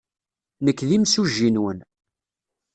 Nekk d imsujji-nwen.